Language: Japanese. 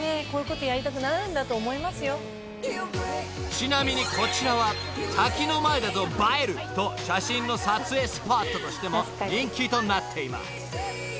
［ちなみにこちらは滝の前だと映える！と写真の撮影スポットとしても人気となっています］